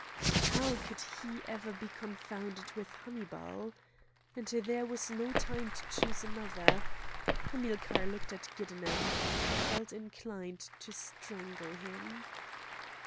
How could he ever be confounded with Hannibal! and there was no time to choose another. Hamilcar looked at Giddenem; he felt inclined to strangle him.